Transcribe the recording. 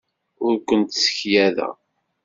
Ur kent-ssekyadeɣ.